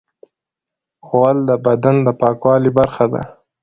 غول د بدن د پاکوالي برخه ده.